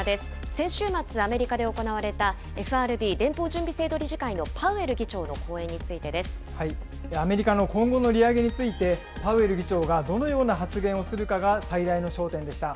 先週末、アメリカで行われたＦＲＢ・連邦準備制度理事会のパウエル議長のアメリカの今後の利上げについて、パウエル議長がどのような発言をするかが最大の焦点でした。